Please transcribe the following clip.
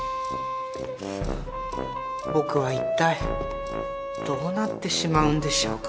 僕はいったいどうなってしまうんでしょうか？